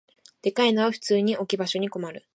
でかいのは普通に置き場所に困る